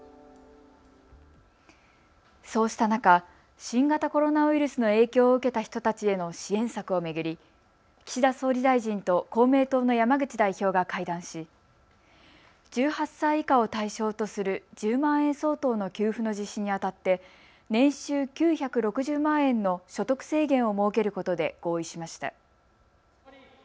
そうした中、新型コロナウイルスの影響を受けた人たちへの支援策を巡り岸田総理大臣と公明党の山口代表が会談し１８歳以下を対象とする１０万円相当の給付の実施にあたって年収９６０万円の所得制限を設けることで合意しました。